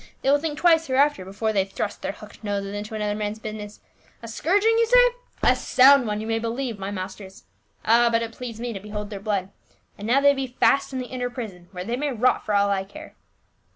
They will think twice hereafter before they thrust their hooked noses into another man's business. A scourg ing, you say ? A sound one, you may believe, my masters. Ah, but it pleased me to behold their blood ! and now they be fast in the inner prison where they may rot for all I care."